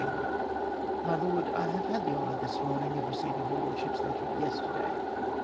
'"' jMy Lord, — I have had the honour this mornino of re ceiving your Lordship's letter of yesterday.